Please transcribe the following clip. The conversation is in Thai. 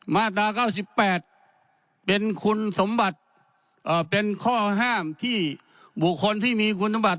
มาตรา๙๘เป็นคุณสมบัติเป็นข้อห้ามที่บุคคลที่มีคุณสมบัติ